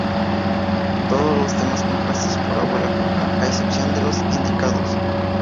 Todos los temas compuestos por "Abuela Coca" a excepción de los indicados.